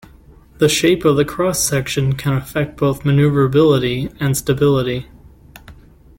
The shape of the cross section can affect both maneuverability and stability.